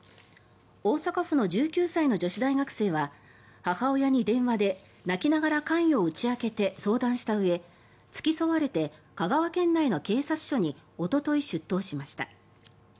大阪府の１９歳の女子大学生は母親に電話で泣きながら関与を打ち明け相談したうえ付き添われて香川県内の警察署におととい、出頭しました。